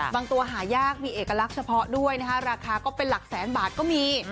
ตัวหายากมีเอกลักษณ์เฉพาะด้วยนะคะราคาก็เป็นหลักแสนบาทก็มี